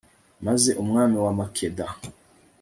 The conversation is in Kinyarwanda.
maze umwami wa makeda